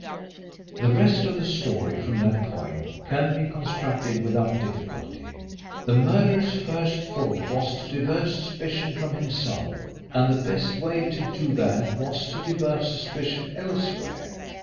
"The rest of the story from that point can be constructed without difficulty. The murderer's first thought was to divert suspicion from himself, and the best way to do that was to divert suspicion elsewhere.